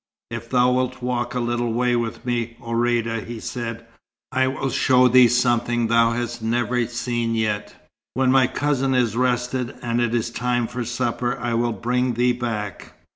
"If thou wilt walk a little way with me, Ourïeda," he said, "I will show thee something thou hast never seen yet. When my cousin is rested, and it is time for supper, I will bring thee back."